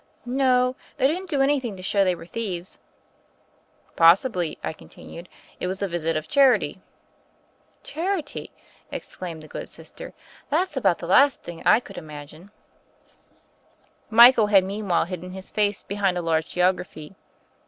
"No: they didn't do anything to show they were thieves." "Possibly," I continued, "it was a visit of charity." "Charity!" exclaimed the good Sister. "That's about the last thing I could imagine." Michael had meanwhile hidden his face be hind a large geography.